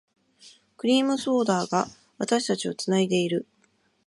クリームソーダが、私たちを繋いでいる。